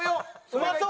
うまそう！